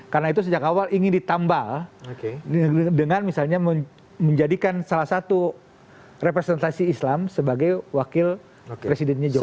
karena itu sejak awal ingin ditambah dengan misalnya menjadikan salah satu representasi islam sebagai wakil presidennya jokowi